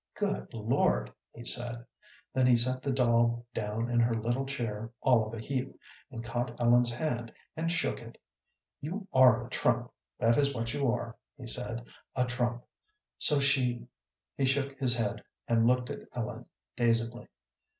"Good Lord!" he said. Then he set the doll down in her little chair all of a heap, and caught Ellen's hand, and shook it. "You are a trump, that is what you are," he said; "a trump. So she " He shook his head, and looked at Ellen, dazedly.